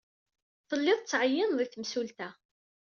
Telliḍ tettɛeyyineḍ i temsulta.